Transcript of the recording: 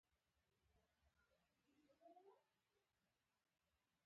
څوک چې هڅه کوي، ناکامي یې هم تجربه ده.